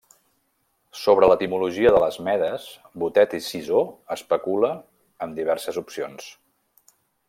Sobre l'etimologia de les Medes, Botet i Sisó especula amb diverses opcions.